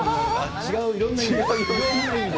違ういろんな意味で。